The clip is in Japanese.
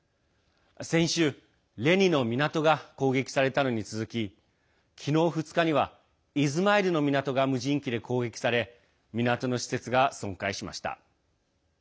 先週、レニの港が攻撃されたのに続き昨日２日にはイズマイルの港が無人機で攻撃され港の施設が損壊しました。